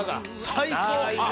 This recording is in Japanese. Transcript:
最高！